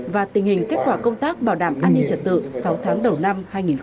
và tình hình kết quả công tác bảo đảm an ninh trật tự sáu tháng đầu năm hai nghìn hai mươi ba